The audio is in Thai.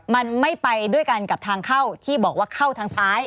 มันไม่ไปด้วยกันกับทางเข้าที่บอกว่าเข้าทางซ้าย